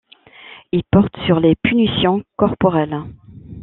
Il porte sur les punitions corporelles.